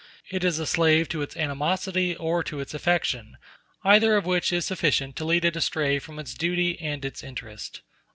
It is a slave to its animosity or to its affection, either of which is sufficient to lead it astray from its duty and its interest."